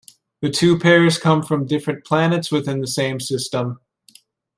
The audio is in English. The two pairs come from different planets within the same system.